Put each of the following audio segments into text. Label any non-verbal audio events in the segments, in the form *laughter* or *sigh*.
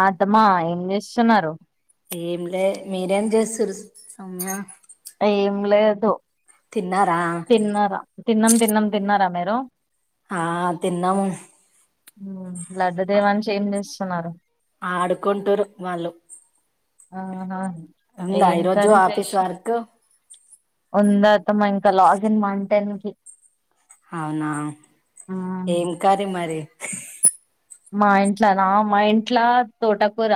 అ తమ్మా ఏం చేస్తున్నారు ఏమ్ లె మీరేం జెస్తుర్రు సౌమ్య ఏం లేదు తిన్నారా? తిన్నారా తిన్నాం తిన్నాం తిన్నారా మీరు? ఆ తిన్నాము లడ్డు దేవాన్ష్ చెస్తున్నారు ఏం చేస్తున్నారు? ఆడుకుంటు రు వాళ్ళు ఆహా ఉందా ఏం ఈరోజు కర్రి ఆఫీస్ జేషి వర్క్ ఉందతమా ఇంకా లాగిన్ వన్ టెన్ కి అవునా మ్మ్. ఏం కరి మరి మా ఇంట్ల నా మా ఇంట్ల తోటకూర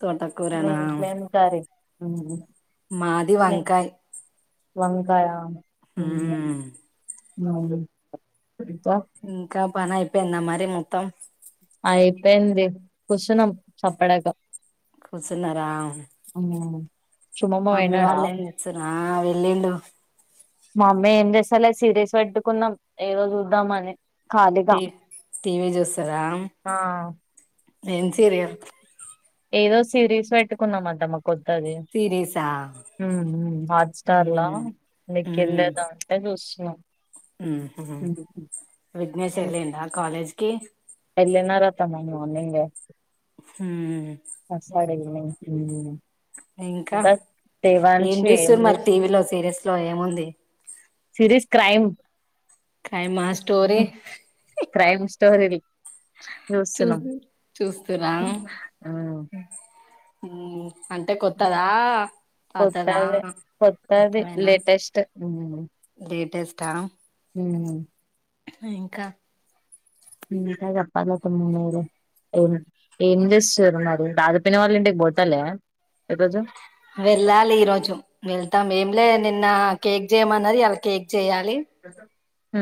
తోటకూరనా మినిట్లేమ్ కరి మాది వంకాయ్ వంకాయ హ్మ్ అం ఇంకా పని అయిపోయింద మరి మొత్తం అయిపోయింది కూర్చున్నాం చప్పడాక కూర్చున్నరా సుమమ్మ మమ్మీ పోయినాడా వాళ్ళు ఏం తెచ్చిన వెళ్ళిండు మా అమ్మీ ఏం చేస్తా లే సీరియల్స్ పెట్టుకున్నాం ఏదో చూద్దామ అని కాలిగా టీ టీవీ ఆ ఎన్సీరియర్ ఏదో సిరీస్ పెట్టుకున్నాం అంటమ్ మా కొత్తది సిరీసా హాట్స్టార్ లా ఉమ్ నీకెళ్ళదా అంటే చూస్తా విఘ్నేశలిడా కాలేజ్కి ఏళ్ళినారు అత్తమ్మ మార్నింగ్ ఉమ్ కస్తాడ *inaudible* ఇంకా ఏం చూస్తురు మరి టీవీలో సీరియల్స్ లో ఏముంది సిరీస్ క్రైమ్ క్రైమ్ ఆ స్టోరీ క్రైమ్ స్టోరీ చూ చూస్తుర అంటే కొత్తదా పాతదా కొత్తద కొత్తది కొత్తవేనా లేేటెస్ట్ లేటెస్టా ఉమ్ ఇంకా ఇంకా చేపలీ అత్తమ్మ మీరే ఏం ఏం చేస్తురు మరి బధపోయిన వాళ్ళు ఇంటికి పోతలే ఈ రోజు వెళ్ళాలి ఈ రోజు వెళ్తాం ఏం లేదు నిన్న కేక్ చేయమన్నది అలా కేక్ చేయాలి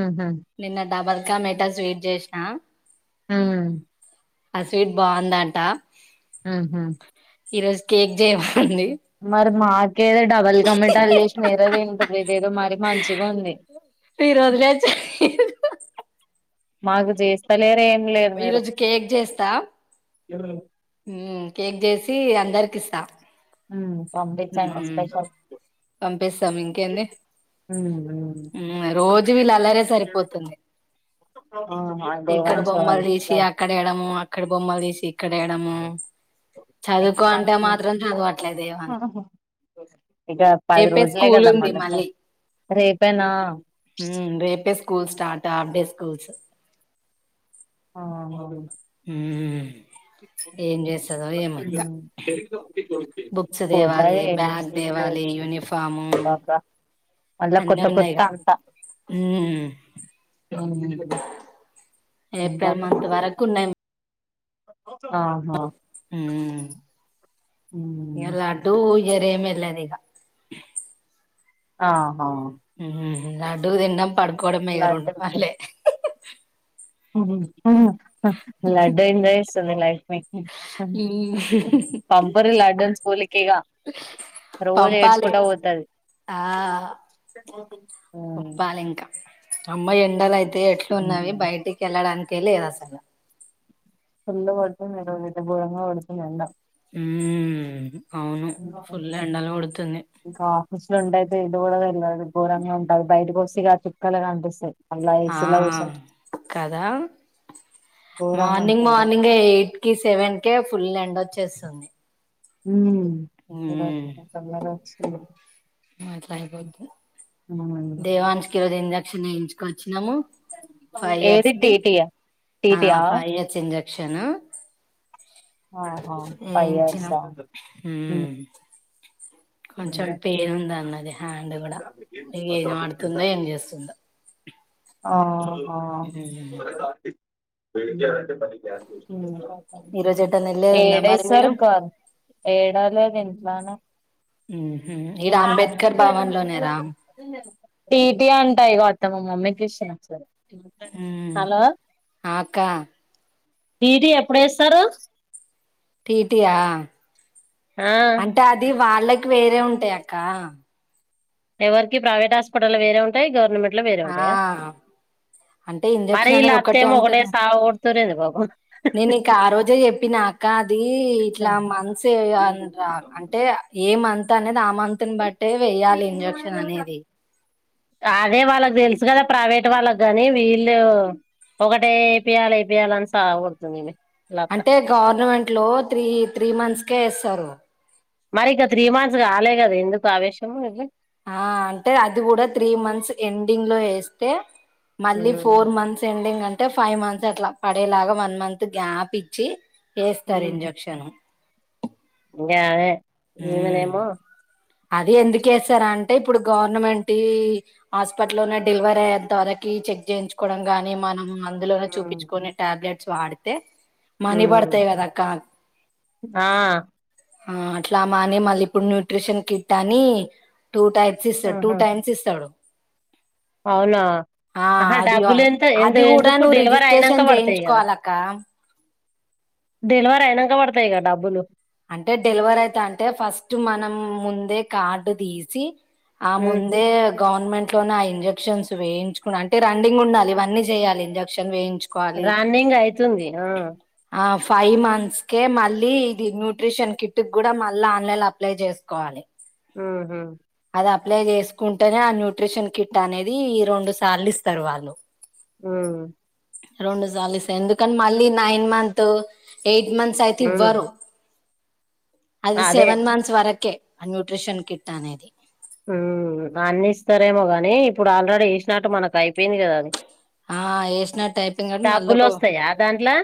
ఉహు నిన్న డబర్ కామెటా స్వీట్ చేసిన ఆ ఆ స్వీట్ బాగుందాంట ఆ హమ్ ఈ రోజు కేక్ చేయమంది ఏదేదో డబల్ కమ్మటి అల్ చేసి మీరద ఏంత ప్రతి ఏదో మరి మంచిగా ఉంది *inaudible* మీరు వదిలేస్తే మాకు చేస్తలేరు లేదు మీరు ఈరోజు కేక్ చేస్తా కేక్ చేస్తా అందరికిస్తా ఉమ్ పంపించండి స్పెషల్ పంపిస్తాం ఇంకేంది ఉమ్ ఉమ్ రోజు వీళ్ళ అల్లరే సరిపోతుంది ఆహా ఇక్కడ దేవాన్ష్ వాళ్ళ బొమ్మలు తీసి అక్కడ వెేడము అక్కడ బొమ్మలు తీసి ఇక్కడ వేయడము నెక్స్ట్ చదువుకో అంటే మంత్ నుంచి మాత్రం చదవట్లేలేదు ఆహా. ఇక పది రోజులే స్కూల్ కద ఉంది మళ్ళీ రేపేనా రేపే స్కూల్ స్టార్ట్ హాఫ్దే స్కూల్స్ ఆ ఉమ్ ఏం చేసదో ఏమో ఇంకా ఉమ్ బుక్స్ పోతే దేవాలి బ్యాగ్ వాలి యూనిఫాము పాప మళ్ళా అన్నే కొత్త ఉన్నా కొత్త ఇగ హ ఉమ్ ఏప్రిల్ మంత్ వరకు ఉన్నాయి ఆహా ఇగ ఉమ్ లడ్డు వేరే ఏం లేదుగా ఆహా లడ్డూ తినడం పడుకోవడమే రెండు లడ్డు పనులే ఆ లడ్డూ ఏం చేస్తుందీ *unintelligible* పంపరీ లడ్డు నీ స్కూలికి ఇగా రోజు పంపాలి ఏడ్చుకుంటా పోతది ఆ చెప్పాలి ఇంకా అమ్మ ఎండలు అయితే ఎట్లు ఉన్నవి బయటికి ఎళ్ళడానికే లేదు అసలు ఫుల్ పెడుతుంది ఘోరంగా పెడుతుంది ఎండ ఉమ్మ్ ఇంకా ఆఫీస్ లో ఉండే *unintelligible* గోరంగా ఉంటాది బయట కి వస్తే చుక్కలు కపిస్తయీ ఆ కదా ఘోరంగా ఉంటది మార్నింగ్ బయట మార్నింగ్ ఎయిట్ కి సెవెన్ కి ఫుల్ ఎండ వచ్చేస్తుంది ఉమ్ ఈరోజు తోందర వచ్చింది మాట్లాయిపోతుంది దేవాన్ష్ కి ఈ రోజు ఇంజక్షన్ వేయింకొచ్చ నము ఫైవ్ ఏది ఇయర్స్దిి టీటీయా టీటీయా ఫైవ్ ఇయర్స్ *unintelligible* క్షణ ఆహా ఫైవ్ ఏడ్చా ఇయర్స్ ఆ ఊమ్ కొంచెం పెయిన్ ఉంద అన్నది హ్యాండ్ కూడా ఏం ఆడుతుందో ఏం చేస్తుందో ఆహా ఈ రోజు ఎటన్నా వెళ్ళేది ఉందా ఏడే మరి మీరు సారు కాదు ఏడ లేదు ఇంట్లోనే ఉహు ఈడ అంబేద్కర్ భవన్ లోనేరా టీటీ అంటా ఇగో తమ మమ్మీ కి ఇస్తునాను సార్ ఉమ్ అక్క టీటీ ఎప్పుడు వేస్తారు టీటీయా ఆ అంటే అది వాళ్ళకి వేరే ఉంటాయి అక్క ఎవరికి ప్రైవేట్ హాస్పిటల్ వేరే ఉంటాయి గవర్నమెంట్ లో వేరే ఆ ఉంటాయా అంటే మరి ఇంజక్షన్ వీళ్ల అనేది అత్త ఏమో ఒకటే ఉంటది సావ కొడుతుంది బాబు నేను నీకు ఆ రోజే చెప్పినా అక్క అది ఇట్లా మంత్స్ ఎయ్యాలి రా అంటే ఏ మంత్ అనేది ఆ మంత్ని బట్టే ఎయ్యాలి ఇంజక్షన్ అనేది అదే వాళ్ళకి తెలుసు కదా ప్రైవేట్ వాళ్ళకు కాని వీళ్ళు ఒకటే ఏపియాలి ఏపియాలని సావకొడుతుందీ ఈమె వీళ్ళ అత్త అంటే గవర్నమెంట్ లో త్రీ త్రీ మంత్స్కే ఏస్తారు మరి ఇక త్రీ మంత్స్ కాలే కదా ఎందుకు ఆవేశము ఆ అంటే అది కూడా త్రీ మంత్స్ ఎండింగ్ లో వేస్తే మళ్ళీ ఫోర్ మంత్స్ ఎండింగ్ అంటే అంటే ఫైవ్ మంత్స్ అట్లా పడేలాగా వన్ మంత్ గ్యాప్ ఇచ్చి ఏస్తారు ఇంజెక్షన్ ఏ అదే ఇంగనేమో అది ఎందుకు ఏస్తారా అంటే ఇప్పుడు గవర్నమెంట్ హాస్పిటల్నే డెలివరీ అయ్యేంత అ టీ చెక్ చేయించుకోవడం గాని మనం అందులోనే చూపించుకునే టాబ్లెట్స్ వాడితే మనీ పడతాయి కదాక్క ఆ ఆ అట్లా మా అనే మళ్ళీ ఇప్పుడు న్యూట్రిషన్ కిట్ అని టూ టైమ్స్ ఇస్తాడు టూ ఆహా టైమ్స్ ఇస్తాడు అవునా ఆ ఆహా అది డబ్బులు ఎంత ఎందు అది కూడా ఎందుకు నువ్వు డెలివరీ అయినాక రిజిస్ట్రేషన్ పడతాయి కదా చేయించుకోవాలక్క డెలివర్ అయినాక పడతాయి కదా డబ్బులు అంటే డెలివర్ అయిత అంటే ఫస్ట్ మనం ముందే కార్డు తీసి ఆ ముందే గవర్నమెంట్ లోనే అయింది ఇంజెక్షన్స్ వేయిుకు అంటే రన్నింగ్ ఉండాలి ఇవన్న చేయాల ఇంజెక్షన్ వేయి చు కోవాలి రన్నింగ్ అయితుంది ఆ ఆఫ్ ఫైవ్ మంత్స్కే మళ్ళీ ఇది న్యూట్రిషన్ కిట్ కూడా మళ్ళీ ఆన్లైన్ అప్లై చేసుకోవాలి ఆహా అ అప్లై చేసుకుంటేనే ఆ న్యూట్రిషన్ కిట్ అనేది రెండు సార్లు ఇస్తారు వాళ్ళు ఊ రెండు సలు ఇస ఎందుకని మళ్ళీ నైన్ మంత్ ఎయిట్ మంత్స్ అయితే ఉమ్. ఇవ్వరు అది అదే సెవెన్ మంత్స్ వరకే న్యూట్రిషన్ కిట్ అనేది ఉ అన్ని ఇస్తారేమో గాని ఇప్పుడు ఆల్రెడీ ఏసినట్టు మనకు అయిపోయింది కదా అది ఆ వేసినడు టైపింగ్ అండి మళ్ళ డబ్బులు వస్తాయా దాంట్లో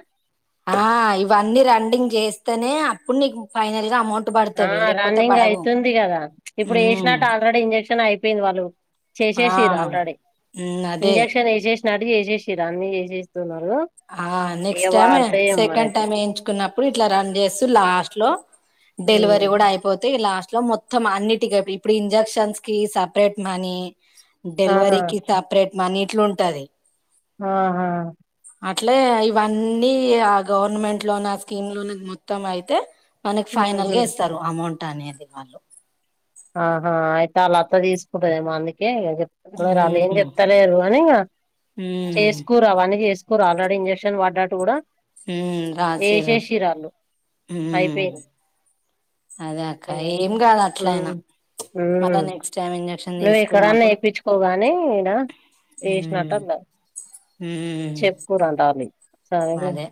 ఆ ఇవన్నీ రండింగ్ చేస్తేనే అప్పుడు నీకు ఫైనల్ గా అమౌంట్ ఆ పడతవి లేకపోతే రన్నింగ్ పడవు అయితుంది కదా ఇప్పుడు ఉమ్ వేసినట్టు ఆల్రెడీ ఇంజెక్షన్ అయిపోయింది వాళ్ళు ఆ చేసేసిరా ఆల్రెడీ ఉమ్ అదే ఇంజక్షన్ ఏ చేసినట్టు చేససిరా అన్న చేససి ఆ నెక్స్ట్ టైమ్ సెకండ్ మరైతే టైమ్ వేయించుకున్న ఇప్పుడు ఇట్లా రన్ చేస్తూ లాస్ట్ లో డెలివరీ కూడా అయిపోతే లాస్ట్ లో మొత్తం అన్నిటిక ఇప్పుడు ఇంజెక్షన్స్ కి సపరేట్ మనీ ఆహా డెలివరీకి సపరేట్ మనీ ఇట్లు ఉంటది ఆహా అట్లే ఇవన్నీ ఆ గవర్నమెంట్ లోని ఆ స్కీమ్ లోని మొత్తం అయితే మనకి ఉహు. ఫైనల్గా ఎస్తారు అమౌంట్ అనేది వాళ్ళు ఆహా అయితే అలా అత్త తీసుకుంటదేమో అందుక రాల్లు ఏం ఉమ్ చెప్తాలేరు అని ఉమ్ చేస్కోరు అవన్నీ చేస్కోరు ఆల్రెడీ ఇంజెక్షన్ పడ్డా మ్ రామ్ చరణ్ ఆళ్ళు మ్ అయిపోయింది అదే అక్క ఏం కాదు అట్లయినా ఉ మళ్ళా నెక్స్ట్ టైం ఇంజక్షన్ నువ్వు ఎకరన్న తీసుకున్నప్పుడు వేప్పించుకోగాని ఇడ ఎసినట్టు అన్న మ్ సరేలే మాదే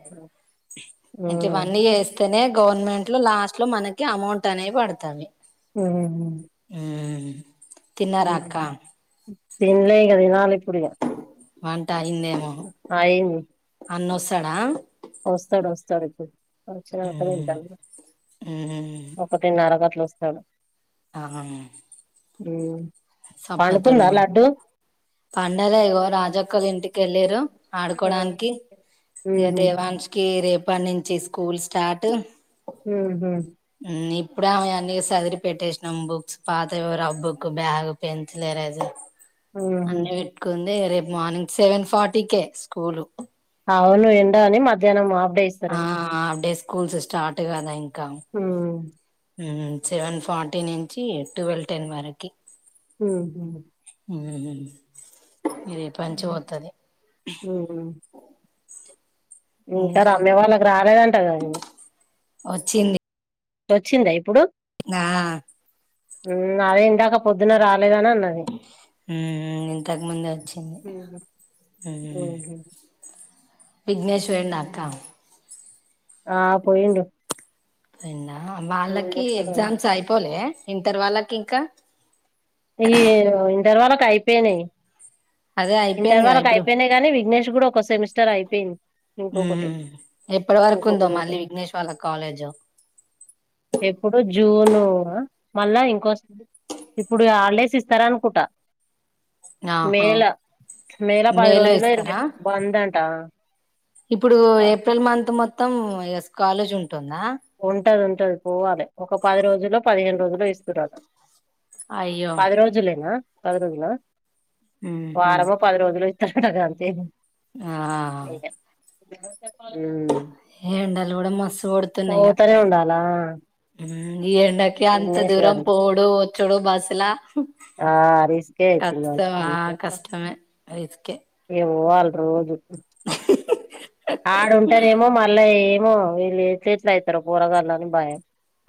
ఉమ్ ఇంట్లఇవ్వన్నీ జేస్తేనే గవర్నమెంట్ లో లాస్ట్ లో మనకి అమౌంట్ అనేవి పడతాంది ఊహ్మ్ తిన్నరాక్క తిన్లే ఇగ తినాలి ఇప్పుడు ఇగ వంట అయిందేమో అన్నొస్తడా వోస్తడు వోస్టడీప్పుడు వచ్చినంక ఉమ్ దింటమ్ ఇగ ఒకటిన్న అరగట్లు వస్తడు అ. ఊ పండు కుందా లడ్డు పండలే ఇగో రాజక్కొల్లా ఇంటికి వెళ్ళిర్రు ఆ ఆడుకోవడానికి ఇక ఉహు దే మాంషి కి రేపటి నుంచి స్కూల్ స్టార్ట్ ఊ హు హు ఇప్ ఇప్పుడే ఆమె అన్న సదిరి పెట్టేసినాం బుక్స్ పాత రబ్బుక్ బ్యాగ్ పెన్సిల్ ఏరైజర్ ఉహు అన్ని పెట్టుకుంది రేపు మార్నింగ్ సెవెన్ ఫార్టీకే స్కూల్ అవును ఎండ అని మధ్యాహ్నం ఆప్డే ఆ ఇస్తరని హాఫ్ డే స్కూల్స్ స్టార్ట్ గదా ఊ సెవెన్ ఫార్టీ నుంచి ట్వెల్వ్ టెన్ వరకి ఊ హు హ్మ్ హు ఇది పంచమి వత్తది ఇంక రమ్య వాళ్ళకి రాలేదంటగ నువు వచ్చింది వచ్చిండా ఇప్పుడు ఆ అదే ఇందాక పొద్దున రా హ్మ్ హు ఇంతకు ముందే వచ్చింది హ్మ్ హు ఉహు విఘ్నేష్ పోయిండా అక్క ఆ పోయిండు పోయిండా వాళ్ళకి విఘ్నేశ్‌గూడా ఎగ్జామ్స్ అయిపోలే ఇంటర్ వాళ్ళకి ఇంకా ఈ ఇంటర్ వాళ్ళకు అయిపోయినాయి అదే ఇంటర్ అయిపోయిందిగా వాళ్ళకు ఇప్పుడు అయిపోయినాయి గాని విఘ్నేష్ కుడ ఒక సెమిస్టర్ అయిపోయింది ఇంకొకటి హ్మ్ హు ఎప్పటి వరకు ఉందో ఇంకొకటి మళ్ళీ ఉంటది విఘ్నేష్ వాళ్ళ కాలేజు ఎప్పుడు జూన్ అవునా మళ్ళా ఇంకోస్తది ఇప్పుడు ఆల్డేస్ ఇస్తారా అనుకుంట ఆహా మేల మేల పది మేలో రోజులో ఇరవై ఇస్తారా బందంట అ ఇప్పుడు ఏప్రిల్ మంత్ మొత్తం ఇగ కాలేజ్ ఉంటుందా ఉంటది ఉంటది పోవాలె ఒక పది రోజులో పదిహేను రోజులో ఇస్తూరటా అయ్యో పది రోజులేనా పది రోజులా మ్మ్ హ్మ్ వారమొ పది రోజులో అడ గంతే ఆ ఆ ఆ నిన్నట్లేక్క ఎండాలు కూడా మస్సు కొడ్ పోతనే ఉండాలా ఈ ఎండాకి అంత దినేష్ దూరం గారు పోవుడు వచ్చుడు బస్ లా ఆ రిస్కే అయితుంది కష్టమా వాళ్లకి కష్టమే ఏరికే ఏమో అడుంటనెమో మళ్ళా ఏమో వీళ్ళు ఎట్ల ఎట్ల అయితారు పోరగాళ్ళని భయం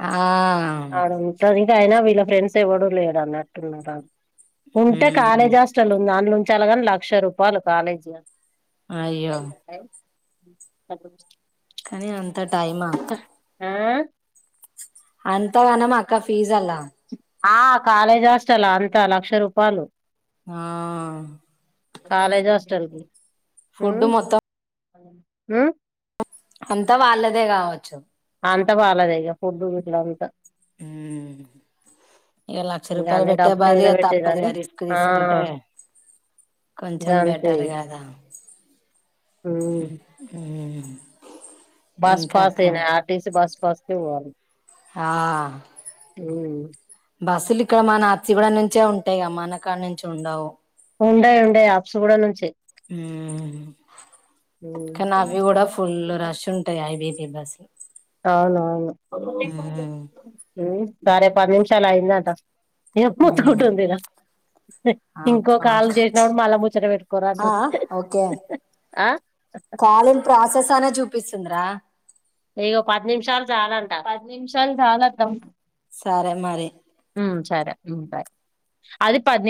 ఆ ఆడుంటది అయినా వీళ్ళ ఫ్రెండ్స్ ఎవడు లేడు అన్నట్టున్నారు ఉంటే ఉమ్ కాలేజ్ హాస్టల్ ఉంది దాలో ఉంచాలా గని లక్ష రూపాయలు కాలేజీలా అయ్యో అ కనీ అంత టైమా ఆ అంతగనం అక్క ఫీజ్ అల్లా ఆ కాలేజ్ హాస్టల్లా అంత లక్ష రూపాలు ఆ కాలేజ్ హస్టల్ ఇప్పుడు ఫుడ్ మొత్తం మ్మ్ అంతా వాళ్ళదే కావచ్చు అంత వాళ్లదే ఇగ ఫుడ్ గిట్ల అంత మ్మ్ ఇగ లక్ష ఇంగ రూపాయలు అన్ని పెట్టే డబ్బులు బదులు ఏడ ఇగ తప్పదు పెట్టేదని ఇగ రిస్క్ ఆ తీసుకుంటే కొంచెం గంతే బెటర్ గదా ఉమ్ హ్మ్ ఉహు బస్ పాస్ ఏనే ఆర్టీసీ బస్ పాస్ కె పోవాలి హా మ్మ్ బస్సులు ఇక్కడ మన హబ్సిగూడం నుంచే ఉంటాయి గ మనకాడ్ నుంచి ఉండవు ఉండయి ఉండయి హబ్సిగూడం నుంచి ఉమ్ కానీ అవి కుడా ఫుల్ రష్ ఉంటాయి ఐ వి బి బస్లు అవునవును హ్మ్ సరే పది నిమిషాలు అయిందట నే *unintelligible* పొత్తుకుంటుంది ఇడా ఆ కాకా మళ్ళా ముచ్చట పెట్టుకోరా ఆ అంటు ఓకే ఆ కాలింగ్ ప్రాసెస్ అనే చూపిస్తుందిరా ఇగో పది నిమిషాలు జాలంటా పది నిమిషాలు జాలంత సరే మరి మ్మ్ సరే మ్మ్ బాయ్ అది పది నిం